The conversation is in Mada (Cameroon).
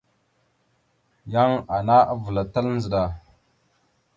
Yan ana avəlatal ndzəɗa.